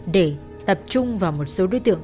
để tập trung vào một số đối tượng